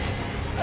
あ！